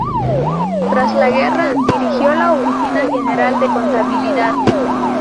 Tras la guerra, dirigió la oficina general de contabilidad.